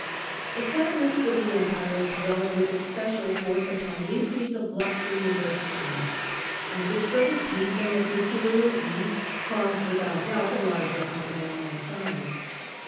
The satirists of the Empire dwell with especial fores upon the increase of luxury in their time, and the spread of peace and of material ease caused without doubt a larger outlay on all sides.